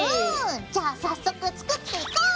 じゃあ早速作っていこう！